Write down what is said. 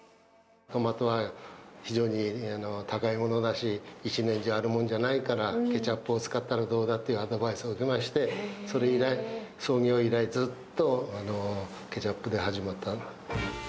トマトは非常に高いものだし、一年中あるものじゃないから、ケチャップを使ったらどうだというアドバイスを受けまして、それ以来、創業以来ずっとケチャップで始まった。